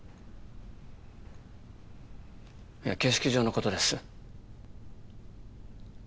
いや形式上のことです